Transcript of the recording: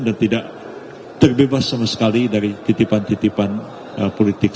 dan tidak terbebas sama sekali dari titipan titipan politik